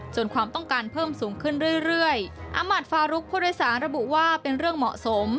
ความต้องการเพิ่มสูงขึ้นเรื่อยเรื่อยอามัติฟารุกผู้โดยสารระบุว่าเป็นเรื่องเหมาะสม